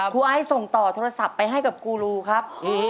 ไอ้ส่งต่อโทรศัพท์ไปให้กับกูรูครับ